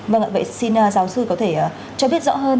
vâng ạ vậy xin giáo sư có thể cho biết rõ hơn